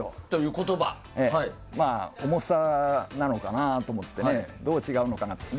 重さなのかなと思ってねどう違うのかなと。